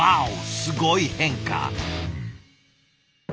すごい変化。